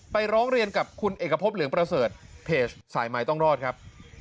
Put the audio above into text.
ร้องเรียนกับคุณเอกพบเหลืองประเสริฐเพจสายไม้ต้องรอดครับ